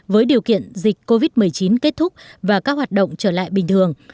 với điều kiện dịch covid một mươi chín kết thúc và các hoạt động trở lại bình thường